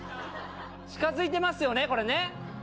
近づいてますよね、これね。